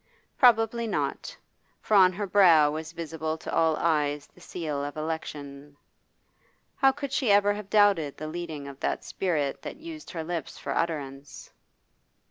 Probably not, for on her brow was visible to all eyes the seal of election; how could she ever have doubted the leading of that spirit that used her lips for utterance?